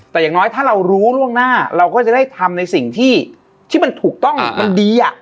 แต่อย่างน้อยถ้าเรารู้ล่วงหน้าเราก็จะได้ทำในสิ่งที่มันถูกต้องมันดี